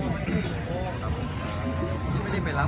แม่กับผู้วิทยาลัย